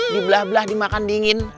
dibelah belah dimakan dingin